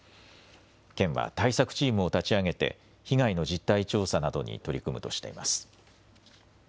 県は対策チームを立ち上げて被害の実態調査などに取り組むとしています。